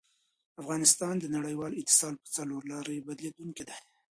افغانستان د نړیوال اتصال په څلورلاري بدلېدونکی دی.